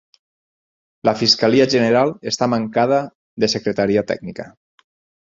La Fiscalia General està mancada de secretaria tècnica.